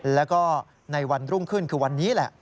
แล้วก็ในวันรุ่งขึ้นคือวันนี้แหละ